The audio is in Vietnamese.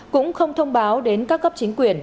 cũng không thông báo đến các cấp chính quyền